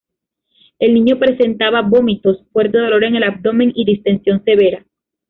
El niño presentaba vómitos, fuerte dolor en el abdomen y distensión severa.